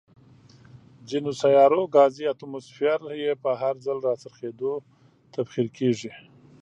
ځینو سیارو ګازي اتموسفیر یې په هر ځل راڅرخېدو، تبخیر کیږي.